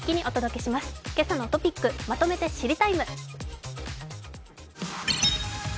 「けさのトピックまとめて知りＴＩＭＥ，」。